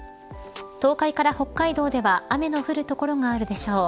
東海から北海道では雨の降る所があるでしょう。